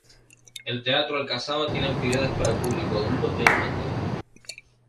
El Teatro Al-Kasaba tiene actividades para público adulto e infantil.